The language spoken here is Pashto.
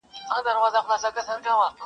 • دا له سترګو فریاد ویښ غوږونه اوري..